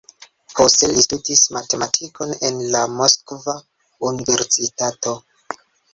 Poste li studis matematikon en la Moskva Universitato.